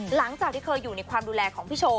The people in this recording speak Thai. หลังจากที่เคยอยู่ในความดูแลของพี่โชว์